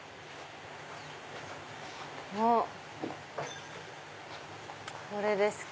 あっこれですか。